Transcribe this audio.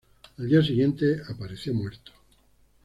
Al día siguiente apareció muerto